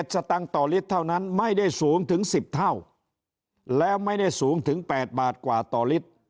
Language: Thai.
สตางค์ต่อลิตรเท่านั้นไม่ได้สูงถึง๑๐เท่าแล้วไม่ได้สูงถึง๘บาทกว่าต่อลิตร